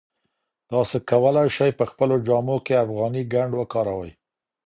تاسي کولای شئ په خپلو جامو کې افغاني ګنډ وکاروئ.